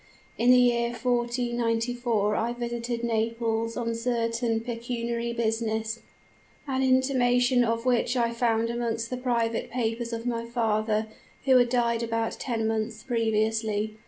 "In the year 1494 I visited Naples on certain pecuniary business, an intimation of which I found amongst the private papers of my father, who had died about ten months previously.